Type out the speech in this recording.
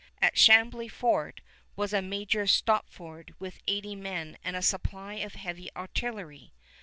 At Chambly Fort was a Major Stopford with eighty men and a supply of heavy artillery.